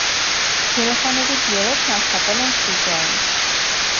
Երեխաներից երեքն աշխատել են ստուդիայում։